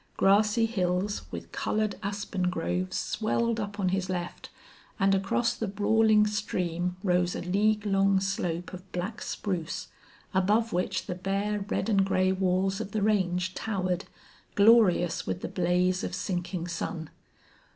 Grassy hills, with colored aspen groves, swelled up on his left, and across the brawling stream rose a league long slope of black spruce, above which the bare red and gray walls of the range towered, glorious with the blaze of sinking sun.